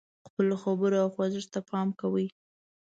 خپلو خبرو او خوځښت ته پام کوي.